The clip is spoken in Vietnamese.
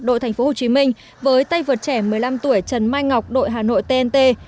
đội tp hcm với tay vợt trẻ một mươi năm tuổi trần mai ngọc đội hà nội tnt